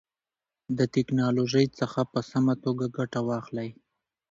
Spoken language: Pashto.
د تکنالوژۍ څخه په سمه توګه ګټه واخلئ.